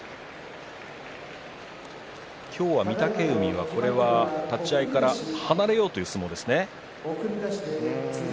今日は御嶽海は立ち合いから離れようという相撲ですね。